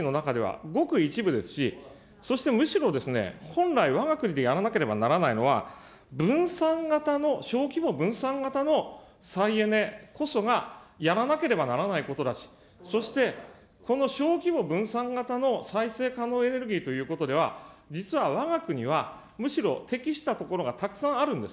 でもメガソーラーも大型の洋上風力も、再生可能エネルギーの中では、ごく一部ですし、そしてむしろですね、本来、わが国でやらなければならないのは、分散型の、小規模分散型の再エネこそがやらなければならないことだし、そしてこの小規模分散型の再生可能エネルギーということでは、実はわが国はむしろ適した所がたくさんあるんです。